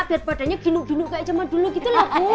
biar badannya giluk dulu kayak zaman dulu gitu lah